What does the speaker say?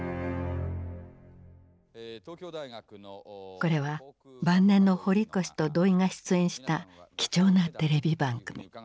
これは晩年の堀越と土井が出演した貴重なテレビ番組。